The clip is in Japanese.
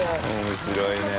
面白いね。